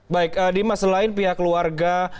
baik dimas selain pihak keluarga